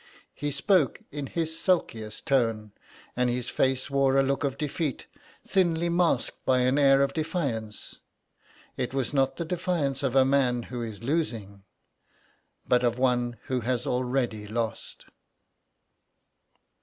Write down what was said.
He spoke in his sulkiest tone, and his face wore a look of defeat, thinly masked by an air of defiance; it was not the defiance of a man who is losing, but of one who has already lost.